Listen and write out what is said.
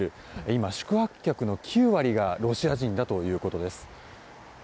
今、宿泊客の９割がロシア人だということです。